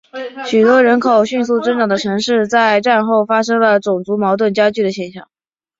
许多人口迅速增长的城市在战后发生了种族矛盾加剧的现象。